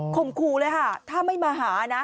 ครูเลยค่ะถ้าไม่มาหานะ